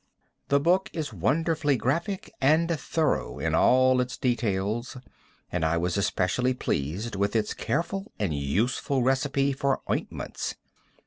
The book is wonderfully graphic and thorough in all its details, and I was especially pleased with its careful and useful recipe for ointments.